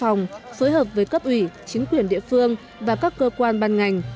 hải phòng phối hợp với cấp ủy chính quyền địa phương và các cơ quan ban ngành